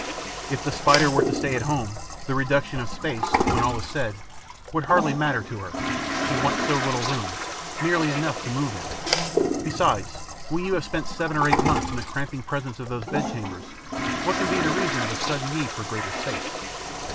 If the Spider were to stay alone, the reduction of space, when all is said, would hardly matter to her: she wants so little room, merely enough to move in! Besides, when you have spent seven or eight months in the cramping presence of those bedchambers, what can be the reason of a sudden need for greater space?